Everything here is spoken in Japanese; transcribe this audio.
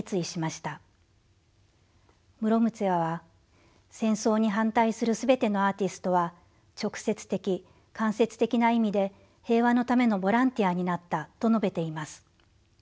ムロムツェワは「戦争に反対する全てのアーティストは直接的間接的な意味で平和のためのボランティアになった」と述べています。